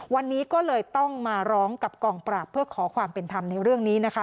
วันนี้ก็เลยต้องมาร้องกับกองปราบเพื่อขอความเป็นธรรมในเรื่องนี้นะคะ